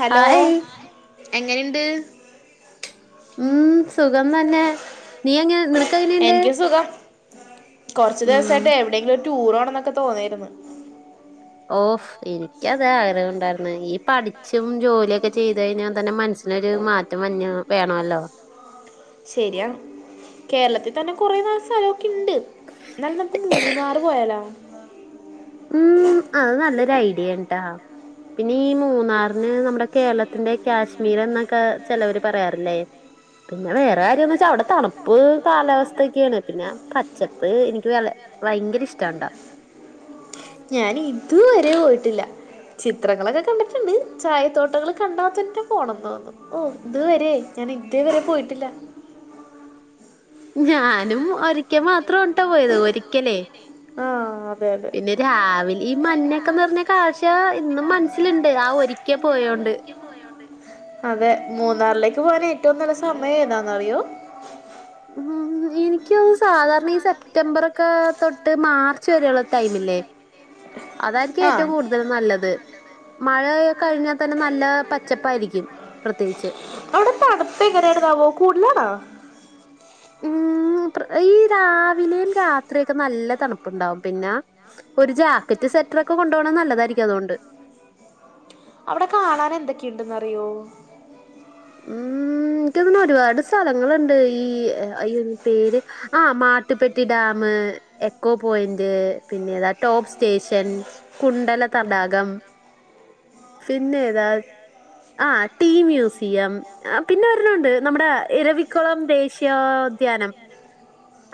Hello hi എങ്ങനെണ്ട് ഉം സുഖം തന്നെ. നീ എങ്ങനെ നിനക്കെങ്ങനെണ്ട്. കൊറ്ച്ച് ദെവസായിട്ട് എവിടെയെങ്കിലും ഒരു ടൂറോണെന്നൊക്കെ തോന്നിയിരുന്ന്. ഓഫ് എനിക്കത് ആഗ്രഹം ഉണ്ടായിരുന്ന് ഈ പഠിച്ചും ജോല്യക്കെ ചെയ്തഴിഞ്ഞാ തന്നെ മനസ് നൊരു മാറ്റം വഞ് വേണോലോ ശരിയാണ് കേരളത്തിതന്നെ കൊറെ നാല് സലൊക്കെണ്ട് ഇന്നാലും നമുക്ക് മൂന്നാറ് പോയാലാ ഉം അത് നല്ലൊരു ഐഡ്യേണ് ട്ടോ പിന്നെ ഈ മൂന്നാറിന് നമ്മടെ കേരളത്തിന്റെ കാശ്മീറെന്നൊക്കെ ചെലോവർ പറയാറില്ലേ പിന്നെ വേറെ കാര്യംന്ന് വെച്ചാ അവിടെ തണുപ്പ് കാലാവസ്ഥക്ക്യേണ്. പിന്ന പച്ചപ്പ് എനിക്ക് വല്യ വയങ്കര ഇഷ്ട്ടാണ്ടാ ഞാനി ഇതുവരെ പോയിട്ടില്ല. ചിത്രങ്ങളൊക്കെ കണ്ടിട്ട്ണ്ട്. ചായത്തോട്ടങ്ങൾ കണ്ടാത്തന്നെ പോണംന്ന് തോന്നും ഓഹ് ഇത് വരെ ഞാൻ ഇതേവരെ പോയിട്ട്ല്ല. ഞാനും ഒരിക്കെ മാത്രാണ് ട്ടോ പോയത് ഒരിക്കലേ ആഹ് അതെ അതെ പിന്നെ രാവിലിം മഞ്ഞൊക്കെന്ന് നെറ്ഞ്ഞ കാഴ്ചോ ഇന്നും മൻസ്സിൽ ഇണ്ട് ആഹ് ഒരിക്കെ പോയോണ്ട്. അതെ മൂന്നാറിലേക്ക് പോകാൻ ഏറ്റവും നല്ല സമയം ഏതാന്നറിയോ? ഉം എനിക്ക് സാധാരണ ഈ സെപ്റ്റംബറൊക്കെ തൊട്ട് മാർച്ച് വരെയുള്ള ടൈമില്ലേ അതായിരിക്കും ആഹ് ഏറ്റവും കൂടു അതിലും നല്ലത്. മഴ കഴിഞ്ഞാ തന്നെ നല്ല പച്ചപ്പായിരിക്കും പ്രത്യേകിച്ച് അവടെ തണുപ്പെങ്ങനെണ്ന്നാവോ കൂടുലാണോ? ഉം ഈ രാവിലേം രാത്രിയൊക്കെ നല്ല തണുപ്പുണ്ടാവും പിന്നെ ഒരു ജാക്കറ്റ് സെറ്റ്റൊക്കെ കൊണ്ടോണത് നല്ലതായിരിക്കും അതോണ്ട്. അവിടെ കാണാനെന്തൊക്കെയുണ്ട് ന്നറിയോ ഉം ഇൻ [unintelligible] ക്കെ ഒരുപാട് സ്ഥലങ്ങളുണ്ട് ഈ ഈ പേര് ആഹ് മാട്ടുപ്പെട്ടി ഡാമ് എക്കോ പോയിന്റ് പിന്നേതാ ടോപ് സ്റ്റേഷൻ കുണ്ടല തടാകം പിന്നെ ഏതാ ആഹ് ടീ മ്യൂസി ട്ടിയം പിന്നെ വേറെ ഒരൊണ്ണണ്ട് നമ്മടെ ഇരവിക്കുളം ദേശീയോദ്യാനം.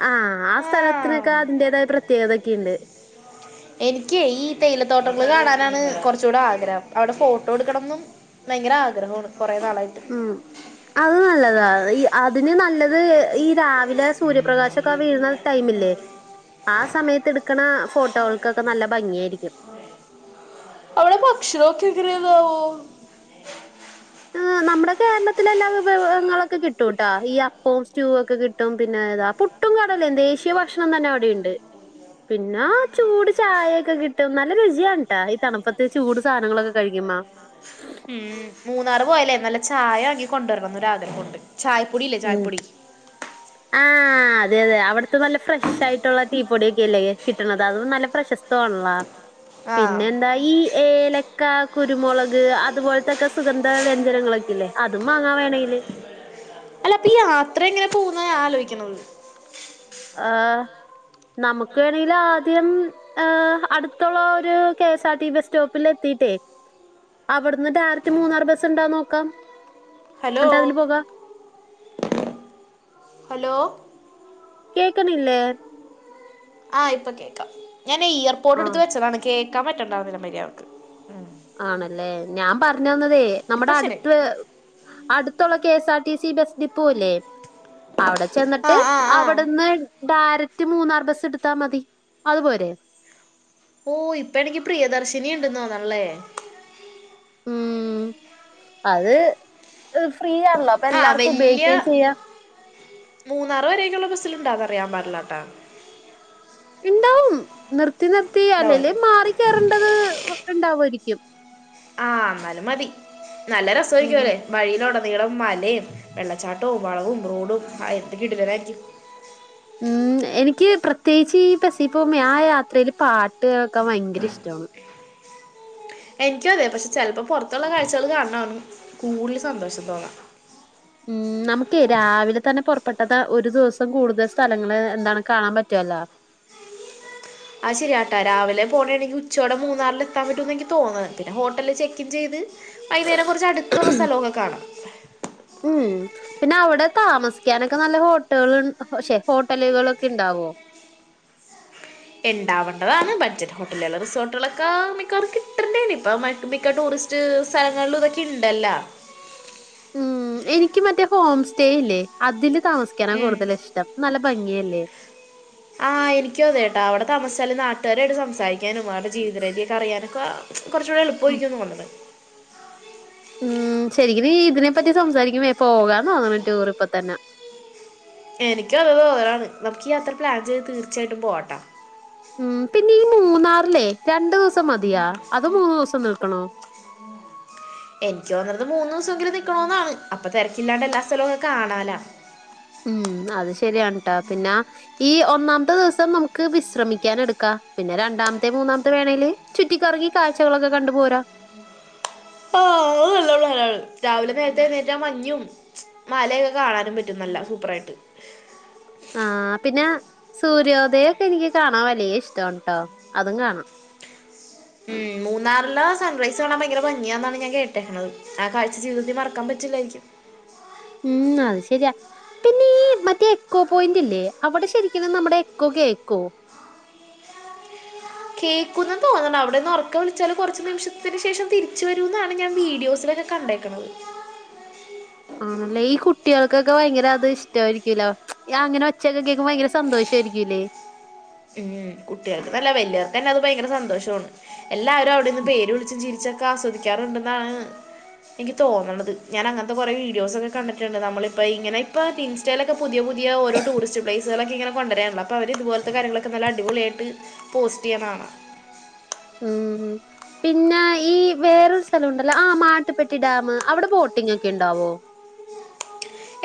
ആഹ് ആഹ് സ്ഥലത്തിനൊക്കെ അതിന്റേതായ പ്രത്യേകതൊക്കെയുണ്ട്. എനിക്കെയ് ഈ തേയിലത്തോട്ടങ്ങള് കാണാനാണ് കൊറച്ചൂടെ ആഗ്രഹം അവടെ ഫോട്ടോ എടുക്കണംന്നും ഭയങ്കര ആഗ്രഹാണ് കൊറേ നാളായിട്ട്. ഉം അത് നല്ലതാണ് ഈ അതിന് നല്ലത് ഈ രാവിലെ സൂര്യപ്രകാശൊക്കെ വീഴുന്ന ടൈമില്ലേ? ആ സമയത്ത് എടുക്കണ ഫോട്ടോകൾക്കൊക്കെ നല്ല ഭംഗിയായിരിക്കും അവിടെ ഭക്ഷണം ഒക്കെ എങ്ങനെ നാന്നാവോ നമ്മുടെ കേരളത്തിലെല്ലാ വിഭവങ്ങളൊക്കെ കിട്ടും ട്ടാ ഈ അപ്പോം, സ്റ്റൂ ഒക്കെ കിട്ടും. പുട്ടും പിന്നെ താ പുട്ടും, കടലേയും ദേശീയ ഭക്ഷണം തന്നെ അവിടെയുണ്ട്. പിന്നെ ചൂട് ചായയൊക്കെ കിട്ടും. നല്ല രുചിയാണ് ട്ടോ. ഈ തണുപ്പത്ത് ചൂട് സാധനങ്ങളൊക്കെ കഴിക്കുമ്പോൾ ഉ മൂന്നാറ് പോയാലേ, നല്ല ചായ വാങ്ങി കൊണ്ടുവരണമെന്നോ രാഗ്രഹമുണ്ട്. ചായപ്പൊടി ഇല്ലേ ഉം. ചായപ്പൊടി. ആഹ് ആ അതെ അതെ അവിടുത്തെ നല്ല ഫ്രഷ് ആയിട്ടുള്ള റ്റീ പൊടിയൊക്കെ അല്ലേ കിട്ടണത്. അതും നല്ല പ്രശസ്ത്വ ആണല്ലോ. ആഹ് പിന്നെ എന്താ ഈ ഏലക്ക, കുരുമുളക്, അതുപോലത്തൊക്കെ സുഗന്ധ വ്യഞ്ജനങ്ങളൊക്കെ ഇല്ലെ അതും വാങ്ങാ വേണെല് അല്ല അപ്പൊ ഈ യാത്ര എങ്ങനെ പോകുമെന്നാ ഞാനാലോചിക്കുന്നത്. ആ നമുക്ക് വേണെങ്കിൽ ആദ്യം. ഹ് അടുത്തോളള ഒരു കെ എസ് ആർടി ബസ് സ്റ്റോപ്പിൽ എത്തിയിട്ടെ അവിടുന്ന് ഡയറക്ട് മൂന്നാർ ബസ് ഉണ്ടോന്ന് നോക്കാം. ഹലോ എന്നിട്ട് അതിൽ പോകാം. ഹലോ കേൾക്കുന്നില്ലേ ആ ഇപ്പം കേൾക്കാം. ഞാൻ ഈ ഇയർ പോട് ആഹ് എടുത്ത് വെച്ചതാണ്. കേൾക്കാൻ പറ്റുണ്ടായിരുന്നില്ല മര്യാദക്ക് ആണല്ലേ, ഞാൻ പറഞ്ഞ വന്നതേ ഇപ്പൊ നമ്മുടെ ശരിയായി അടുത്ത് അടുത്തുള്ള K S R T C bus depot ഇല്ലേ, അവിടെ ചെന്നിട്ട് ആഹ് ആഹ് ആഹ് അവിടുന്ന് ഡയറക്റ്റ് മൂന്നാർ ബസ് എടുത്താ മതി അതുപോരേ? ഓ ഇപ്പ എണിക്കി പ്രിയദർശിനി ഉണ്ട് തോന്നുന്നല്ലേ. ഉം അത് ഫ്രീയാണല്ലോ അപ്പൊ എല്ലാർക്കും ഉപയോഗിക്കുകയും ചെയ്യാ. മൂന്നാർ വരേക്കുള്ള ബസ്സിലുണ്ടോന്നാ അറിയാൻ പാടില്ലാട്ട ഉണ്ടാവും നിർത്തി നിർത്തി ഉണ്ടാവുമല്ലേ അല്ലെങ്കിൽ മാറി കയറേണ്ടത് ഉണ്ടാവുമായിരിക്കും. ആ എന്നാലും മതി നല്ല രസമായിരിക്കും ഉം അല്ലേ? വഴിയിലുടനീളം മലയും, വെള്ളച്ചാട്ടവും, വളവും, റോഡും ഹാ എന്ത് കിടില്ലനായിരിക്കും. മ്മ്. ഉ എനിക്ക് പ്രത്യേകിച്ച് ഈ ബസിൽ പോകുമ്പോൾ ആ യാത്രയിൽ പാട്ട് കേൾക്കാൻ ഭയങ്കര ഇഷ്ടമാണ്. എനിക്കും അതെ. പക്ഷെ ചിലപ്പോ പുറത്തുള്ള കാഴ്ചകൾ കാണണം കൂടുതൽ സന്തോഷം തോന്നാം. ഉം നമുക്ക് രാവിലെ തന്നെ പുറപ്പെട്ടത് ഒരു ദിവസം കൂടുതൽ സ്ഥലങ്ങള് എന്താണ് കാണാൻ പറ്റുവല്ലോ. അത് ശരിയാട്ടാ, രാവിലെ പോകയാണെങ്കിൽ ഉച്ചോടെ മൂന്നാറിൽ എത്താൻ പറ്റുമെന്ന് എനിക്ക് തോന്നുന്നത്. പിന്നെ ഹോട്ടൽ ചെക്കിൻ ചെയ്ത് വൈകുന്നേരം കുറച്ച് അടുത്തുള്ള സ്ഥലമൊക്കെ കാണാം. ഉം പിന്നെ അവിടെ താമസിക്കാനൊക്കെ നല്ല ഹോട്ടകൾ ശെ ഹോട്ടലുകളൊക്കെ ഉണ്ടാവോ ഉണ്ടാവേണ്ടതാണ് ബഡ്ജറ്റ് ഹോട്ടലുകളും, റിസോർട്ടുകളൊക്കെ മിക്കവർക്ക് കിട്ടേണ്ടേ ഇപ്പ മിക്ക ടൂറിസ്റ്റ് റ്റ് സ്ഥലങ്ങളിലും ഇതൊക്കെ ഇണ്ടലാ. ഉം എനിക്ക് മറ്റേ ഹോം സ്റ്റേ ഇല്ലേ. അതില് താമസിക്കാന ഉം. കൂടുതൽ ഇഷ്ടം നല്ല ഭംഗിയല്ലേ ആഹ് എനിക്കും അതേട്ടാ അവിടെ താമസിച്ചാലെ നാട്ടുകാരായിട്ട് സംസാരിക്കാനും അവരുടെ ജീവിത രീതിയൊക്കെ അറിയാനൊക്കെ കുറച്ചൂടെ എളുപ്പമായിരിക്കുംന്ന് തോന്നുന്ന് ഉം ശരിക്കും ഇതിനെപ്പറ്റി സംസാരിക്കുമേ പോകാന്ന് തോന്നണ ടൂർ ഇപ്പ തന്നെ എനിക്ക് അതാ തോന്നണ്. നമുക്ക് അത്ര പ്ലാൻ ചെയ്ത് തീർച്ചയായിട്ടും പോകട്ടോ ഉം പിന്നെ ഈ മൂന്നാറിലെ രണ്ടു ദിവസം മതിയാ അതോ മൂന്നു ദിവസം നിൽക്കണോ എനിക്ക് തോന്നുന്നത് മൂന്ന് ദിവസ എങ്കിലും നിൽക്കണോന്നാണ് അപ്പൊ തിരക്കില്ലാണ്ട് എല്ലാ സ്ഥലവുമൊക്കെ കാണാലോ ഉം അത് ശരിയാണ് ട്ടാ. പിന്നാ ഈ ഒന്നാമത്തെ ദിവസം നമുക്ക് വിശ്രമിക്കാൻ എടുക്കാം. പിന്നെ രണ്ടാമത്തെ മൂന്നാമത്തെ വേണേല് ചുറ്റിക്കറങ്ങി കാഴ്ചകളൊക്കെ കണ്ടു പോരാ [unintelligible] രാവിലെ നേരത്തെ എണീറ്റ മഞ്ഞും മലയൊക്കെ കാണാനും പറ്റും നല്ല സൂപ്പറായിട്ട് ആഹ് പിന്നെ സൂര്യോദയൊക്കെ എനിക്ക് കാണാൻ വലിയ ഇഷ്ടാണ് ട്ടോ അതും കാണാം ഉം മൂന്നാറിലെ സൺ റൈസ് കാണാ ഭയങ്കര ഭംഗിയാന്നാണ് ഞാൻ കേട്ടേക്ണത് ആ കാഴ്ച ജീവിതത്തിൽ മറക്കാം പറ്റില്ലായിരിക്കും ഉം അത് ശരിയാ പിന്നെ ഈ മറ്റേ എക്കോ പോയിന്റ് ഇല്ലേ അവിടെ ശരിക്കും നം നമ്മ്ടെ എക്കോ കേക്കോ കേക്കുന്നന്ന് തോന്നുണ് അവിടെന്ന് ഉറക്കെ വിളിച്ചാല് കുറച്ച് നിമിഷത്തിന് ശേഷം തിരിച്ച് വരുന്നാണ് ഞാൻ വീഡിയോസില്ക്കെ കണ്ടേക്ണത് ആണല്ലേ ഈ കുട്ടിയാൾക്കൊക്കെ ഭയങ്കര അത് ഇഷ്ടായിരിക്കൂലോ യാ അങ്ങനെ ഒച്ചക്കെകേക്കും ഭയങ്കര സന്തോഷയായിരിക്കൂലേ ഉം കുട്ട്യേക്ക്ന്നല്ല വല്യയോർക്കന്നെ അത് ഭയങ്കര സന്തോഷണ് എല്ലാവരും അവിടെന്ന് പേര് വിളിച്ചു ചിരിച്ച ക്കാസ്വദിക്കാറുണ്ടെന്നാണ് ഇൻക്ക് തോന്ന്ണത് ഞാൻ അങ്ങനത്തെ കൊറെ വീഡിയോസൊക്കെ കണ്ടിട്ടുണ്ട് നമ്മളിപ്പ ഇങ്ങനെ ഇപ്പ തിൻസ് റ്റേലൊക്കെ പുതിയപുതിയ ഓരോ ടൂറിസ്റ്റ്പ്ലയിസുകളൊക്കെ ഇങ്ങന കൊണ്ടരാള്ള അപ്പോ അവര്തുപോ ഇത്തെ കാര്യങ്ങളൊക്കെ നല്ല അടിപൊളിയായിട്ട് പോസ്‌റ്റ്യ്യ്ണാണ ഉം പിന്നെ ഈ വേറൊരു സ്ഥലംണ്ടല്ലോ ആ മാട്ടുപ്പെട്ടി ഡാമ് അവിടെ ബോട്ടിഗ് ഒക്കെ ഉണ്ടാവോ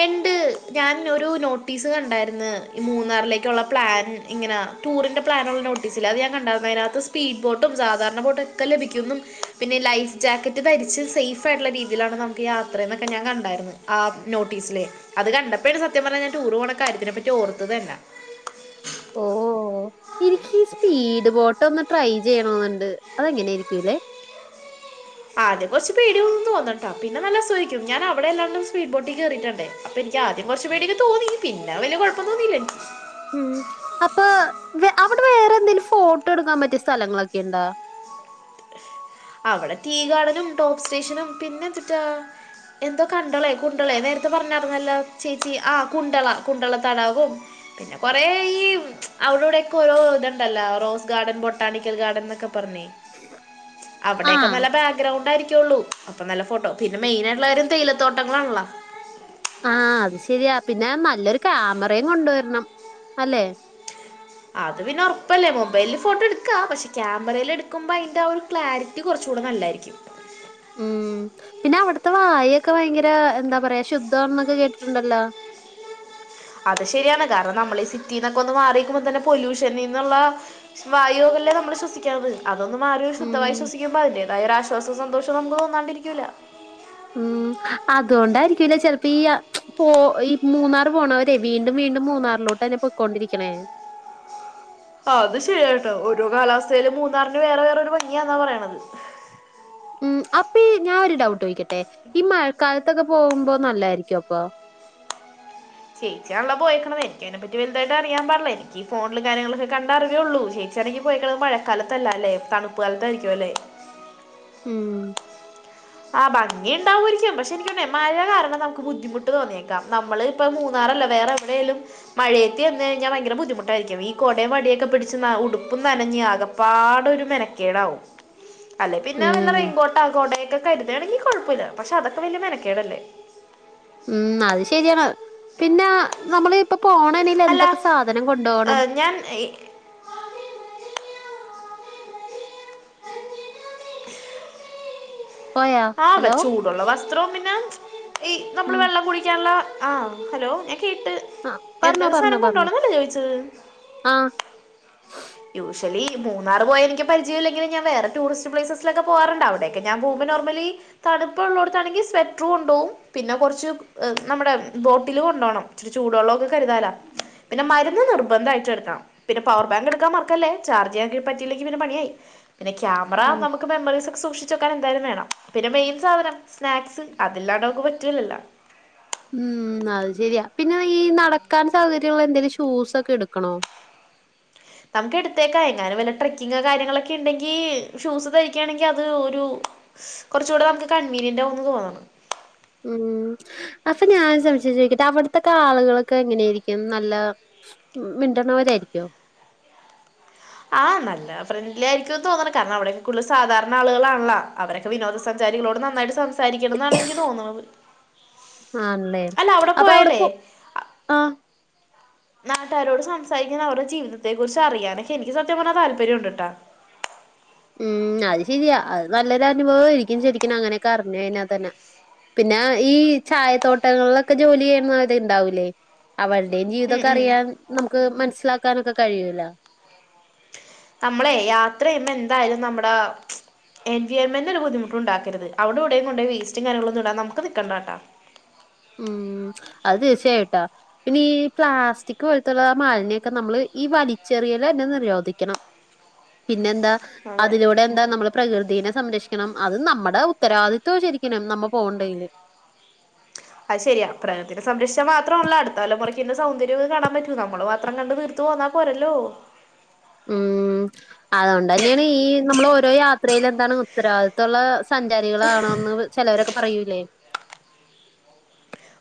എണ്ട് ഞാൻ ഒരു നോട്ടീസ് കണ്ടായിര്ന്ന് ഈ മൂന്നാറിലേക്കുള്ള പ്ലാൻ ഇങ്ങനെ ടൂറിൻ്റെ പ്ലാനുള്ള നോട്ടീസില്ലേ അത് ഞാൻ കണ്ടായിരുന്നു അതിനകത്ത് സ്പീഡ് ബോട്ടും സാധാരണ ബോട്ടൊക്കെ ലഭിക്കുന്നും പിന്നെ ലൈഫ് ജാക്കറ്റ് ധരിച്ച് സൈഫായിട്ടുള്ള രീതിയിലാണ് നമുക്ക് യാത്ര ന്നൊക്കെ ഞാൻ കണ്ടായിരുന്നു ആ നോട്ടീസിലെ അത് കണ്ടപ്പഴാണ് സത്യം പറഞ്ഞ ഞ ടൂറ് പോണ കാര്യത്തിനപറ്റി ഓർത്തതന്നാ ഓഹ് ഓഹ് ഓഹ് ഇനിക്ക് ഈ സ്പീഡ് ബോട്ട് ഒന്ന് ട്രൈ ചെയ്യണെന്നുണ്ട് അതെങ്ങനൊയിയിരിക്കുല്ലേ ആദ്യം കുറച്ച് പേടി ഒന്ന് തോന്നട്ടോ പിന്നെ നല്ല സുഖിക്കും ഞാൻവിടെല്ലാണ്ട സ്വീറ്റ് ബോട്ടിൽക്ക് കേയറിട്ട്ണ്ട് അപ്പൊ ഇൻക്ക് ആദ്യം കുറച്ച് പേടിയൊക്കെ തോന്നി പിന്നെ വല്യ കുഴപ്പം തോന്നീലൻ ഉം അപ്പൊ അവിടെ വേറെ എന്തെലും ഫോട്ടോ എടുക്കാംപറ്റിയ സ്ഥലങ്ങളൊക്കെ ഇണ്ടോ അവിടെ റ്റീ ഗാർഡനും ടോപ് സ്റ്റേഷനും പിന്നെ എതിറ്റാ എന്തോ കണ്ടളേ കുണ്ടളേ നേരത്തെ പറഞ്ഞായിരുന്നല്ലോ ചേച്ചി ആഹ് കുണ്ടള കുണ്ടള തടാകും പിന്നെ കുറേ ഈ അവിടെടെയക്കെ ഓരോ ഇത്ണ്ടല്ലോ റോസ് ഗാർഡൻ ബൊട്ടാണിക്കൽ ഗാർഡൻ എന്നൊക്കെ പറ്ഞ്ഞ് അവിടൊക്കെ ആഹ്. നല്ല ബാക്ക്ഗ്രൗണ്ട് ആരിക്കുള്ളൂ അപ്പൊ നല്ല ഫോട്ടോ പിന്നെ മെയിനായിട്ടുള്ള കാര്യം തേയിലത്തോട്ടങ്ങളാണല്ലോ ആഹ് അത് ശരിയാ പിന്നെ നല്ലൊരു കാമറയും കൊണ്ട് വരണം അല്ലെ അത് പിന്നെ ഉറപ്പല്ലേ മൊബൈൽ ഫോട്ടോ എടുക്കാ പക്ഷെ ക്യാമറേലെടുക്കുമ്പ അയിന്റ ഒരു ക്ലാരിറ്റി കുറച്ചൂടെ നല്ലായിരിക്യും ഉം പിന്നെ അവിടുത്തെ വായൊക്കെ ഭയങ്കര എന്താ പറയാ ശുദ്ധന്ന്‌ക്കെ കേട്ടിട്ടുണ്ടല്ലോ അത് ശരിയാണ് കാരണം നമ്മള് ഈ സിറ്റിന്നൊക്കെ ഒന്ന് മാറിക്കുമ്പോ തന്നെ പൊല്യൂഷനിന്നുള്ള ഷ് വായുകല്ലേ നമ്മള് ശ്വസിക്ക്ണത് അതൊന്നു മാറി ഒരു ശുദ്ധവായു ഉം. ശ്വസിക്കുമ്പോ അതിന്റെതായ ഒരു ആശ്വാസവും സന്തോവും നമുക്ക് തോന്നാണ്ടിരിക്കൂല്ല ഉം അതോണ്ടായിരിക്കുല്ലേ ചെലപ്പോ ഈ പോ ഈ മൂന്നാർ പോണോരെ വീണ്ടും വീണ്ടും മൂന്നാർ ളോട്ടെന്നെ പോയികൊണ്ടിരിക്ക്ണേ അത് ശരിയാട്ടോ ഓരോ കാലാവസ്ഥയില് മൂന്നാറിന് വേറെ വേറെരു ഭംഗിയാന്നാ പറയണത് ഉം അപ്പഈ ഞാ ഒരു ഡൌട്ട് ചോയിക്കട്ടെ ഈ മഴക്കാലത്തൊക്കെ പോകുമ്പോ നല്ലായിരിക്കുപ്പൊ ചേച്ചിയാണല്ലൊ പോയീക്ക്ണത് എനെപ്പറ്റി വൽതായിട്ട് അറിയാൻ പാടില്ലേ ഈ ഫോണ്ല് കാര്യങ്ങൾലൊക്കെ കണ്ട അറിവേ ഒള്ളൂ ച്ചാണങ്കി പോയിക്കണത് മഴക്കാലത്തല്ലല്ലെ തണ്പ്പ് കാലത്തായിരിക്കുംഅല്ലേ ഉം ആഹ് ഭംഗി ഉണ്ടാവോയിരിക്കും പക്ഷെ എനിക്ക് തോന്ന്ണ് മയ കാരണം നമുക്ക് ബുദ്ധിമുട്ട് തോന്നിയേക്കാം നമ്മള് ഇപ്പൊ മൂന്നാറല്ല വേറെ ടേലും മഴയത്തി എന്ന് കഴഞ്ഞാ ഭയങ്കര ബുദ്ധിമുട്ടായിരിക്കും ഈ കോടേം വടിയൊക്കെ പിടിച്ച് ഉടുപ്പും നനഞ്ഞ് ആകെ പാടൊരു മെനക്കേടാവും അല്ലെ പിന്നെ വെല്ല ഉം റെയിൻ കോട്ടൊ കൊടേക്കെ കര്താണെങ്കി കൊഴപ്പല്ല പക്ഷെ അതൊക്കെ വല്ല്യ മെനക്കേടല്ലേ ഉം അത് ശരിയാണ് പിന്നെ നമ്മള് ഇപ്പ പോണെനില് അല്ല എന്തൊക്കെ സാധനം കൊണ്ടോവണം ഞാൻ ഈ [unintelligible] പോയാ ആഹ് വെ ഹലോ ചൂടുള്ള വസ്ത്രൂം പിന്നെ ഈ നമ്മള് ഉം വെള്ളം കുടിക്കാന്ള്ള ആഹ് ഹലോ ഞാൻ കേട്ട് ആ പറഞ്ഞോ എന്തോര് പറഞ്ഞോ സാനം പറഞ്ഞോ കൊണ്ടോണന്നല്ലേ ചോയിച്ചത് ആഹ് യൂശ്വലി മൂന്നാറ് പോയ എനിക്ക് പരിചയല്ലെങ്കിലും ഞാൻ വേറെ ടൂറിസ്റ്റ് പ്ലേസസിലൊക്കെ പോവാറ്ണ്ട് അവിടെക്കെ ഞാൻ പോവുമ്പം നോർമലി തണ്പ്പ് ഉള്ളോട്ത്താണെങ്കി സ്വെറ്റർ കൊണ്ടോവും പിന്നെ കൊറച്ച് നമ്മടെ ബോട്ടില് കൊണ്ടോണം ഇച്ചിരി ചൂട്ള്ളൊക്കെ കര്താന പിന്നെ മര്ന്ന് നിർബന്ധായിട്ട് എട്ക്കണം പിന്നെ പവർ ബാങ്ക്ട് ക്കാൻ മറക്കല്ലേ ചാർജ്യ്യാങ്കി പറ്റിലെങ്കി പിന്നെ പണിയായി പിന്നെ ക്യാമറ ഉം. നമു ക്ക് മെമ്മറീസൊക്കെ സൂക്ഷിച്ച് വെക്കാനെന്തായാലും വേണം പിന്നെ മെയിൻ സാധനം സ്നാക്സ് അതില്ലാണ്ട് നമുക്ക് പറ്റൂലല്ലോ ഉം അത് ശരിയാ പിന്നെ ഈ നടക്കാൻ സൗകര്യള്ള എന്തേലും ഷൂസൊക്കെ എട്ക്കണോ നമുക്ക് എടുത്തേക്കാം എങ്ങാനും വല്ല ട്രക്കിങ് കാര്യങ്ങളൊക്കെ ഇണ്ടെങ്കി ഷൂസ് ധരിക്കാണെങ്കി അത് ഒരു കൊറച്ചൂടെ നമുക്ക് കൺവീനിയന്റാവുന്ന് തോന്ന്ണ് ഉം അപ്പ ഞാനൊരു സംശയം ചോയിക്കട്ടെ അവിടത്തെക്കെ ആള്കളൊക്കെ എങ്ങനേയിരിക്കും നല്ല മിണ്ട്ണോരായിരിക്കോ ആഹ് നല്ല ഫ്രണ്ട്ലി ആയിരിക്കുന്ന് തോന്ന്ണ് കാരണം അവിടെക്കെ കൂടുതൽ സാധാരണ ആള്കളാണല്ലോ അവരെ വിനോദസഞ്ചാരികളോട് നന്നായിട്ട് സംസാരിക്കണന്നാണെനിക്ക് തോന്ന്ണത് ആണ്ല്ലേ അപ്പൊ അവടെ പോ ആഹ് നാട്ടാരോട് സംസാരിക്കാനും അവരെ ജീവിതത്തെ കുറിച്ച് അറിയാനൊക്കെ എനിക്ക് സത്യം പറഞ്ഞാ താല്പര്യം ഉണ്ട്ട്ടാ ഉം അത് ശരിയ അത് നല്ലൊരു അനുഭവായിരിക്കും ശരിക്കിന് അങ്ങനെയൊക്കെ അറിഞ്ഞ് കഴിഞ്ഞാ തന്നെ പിന്ന ഈ ചായത്തോട്ടങ്ങള്ലൊക്കെ ജോലിയ്യുന്നവര് ഇണ്ടാവൂലേ അവള്ടെയും ഉം ജീവിതൊക്കെ ഉം അറിയാൻ നമുക്ക് മനസ്സിലാക്കാനൊക്കെ കഴിയല്ലോ നമ്മളെ യാത്രയ്യുമ്പോ എന്തായാലും നമ്മടാ എൻവിയോമെന്റിന് ഒരു ബുദ്ധിമുട്ടുണ്ടാക്കര്ത് അവിടെവിടെയും കൊണ്ടോയി വേസ്റ്റും കാര്യങ്ങളോന്നും ഇടാൻ നമ്ക്ക് നിക്കണ്ടാട്ടോ ഉം അത് തീർച്ചയായിട്ടാ പിന്നെ ഈ പ്ലാസ്റ്റിക് പോലത്ത്ള്ള മാലിന്യക്കെ നമ്മള് ഈ വലിച്ചെറിയലെന്നെ നിരോധിക്കണം പിന്നെന്താ അതെ അതിലൂടെ എന്താ നമ്മള് പ്രകൃതിനെ സംരക്ഷിക്കണം അത് നമ്മടെ ഉത്തരവാദിത്വവാ ശരിക്കിനും നമ്മ പോവ്ണ്ടേല് അത് ശരിയാ പ്രകൃതിനെ സംരക്ഷിച്ചാ മാത്രോണല്ല അട്ത്തലമുറക്കീന്റെ സൗന്ദര്യൊക്കെ കാണാ പറ്റൂ നമ്മള് മാത്രം കണ്ട് തീർ ത്ത് പോന്നാ പോരല്ലോ ഉം അതോണ്ടന്നെയാണ് ഈ നമ്മള് ഓരോ യാത്രേലും എന്താണ് ഉത്തരവാദിത്തോള്ള സഞ്ചാരികളാകണോന്ന് ചെലൊരക്കെ പറയൂലേ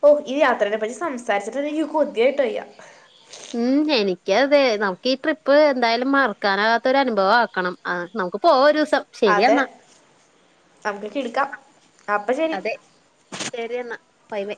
ഓഹ് ഈ യാത്രേനെ പറ്റി സംസാരിച്ചിട്ടെന്നെ എനിക്ക് കൊതിയായിട്ട് വയ്യാ ഉം എനിക്ക് അതെ നമുക്ക് ഈ ട്രിപ്പ് എന്തായാലും മറക്കാനാകാത്തൊര് അനുഭവാക്കണം ആഹ് നമുക്ക് പോവാം ഒരൂസം അതെ നമുക്ക് കിട്ക്കാം അപ്പ ശെരി ശരിയെന്ന ബൈ ബെ